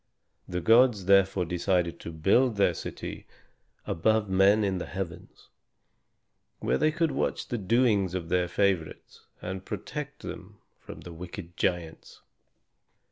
The gods therefore decided to build their city above men in the heavens, where they could watch the doings of their favorites and protect them from the wicked giants.